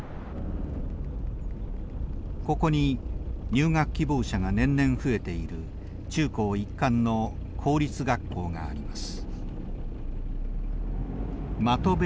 ここに入学希望者が年々増えている中高一貫の公立学校があります。